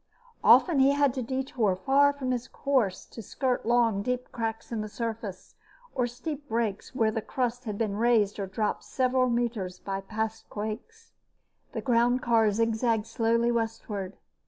Often he had to detour far from his course to skirt long, deep cracks in the surface, or steep breaks where the crust had been raised or dropped several meters by past quakes. The groundcar zig zagged slowly westward.